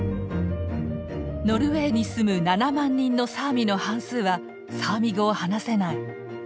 ノルウェーに住む７万人のサーミの半数はサーミ語を話せない。